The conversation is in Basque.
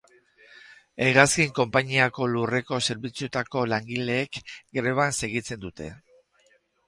Hegazkin konpainiako lurreko zerbitzuetako langileek greban segitzen dute.